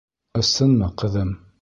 — Ысынмы, ҡыҙым?